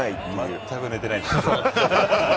全く寝てないです。